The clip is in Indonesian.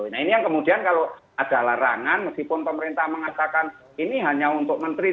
nah ini yang kemudian kalau ada larangan meskipun pemerintah mengatakan ini hanya untuk menteri